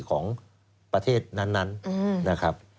ของประเทศนั้นนะครับ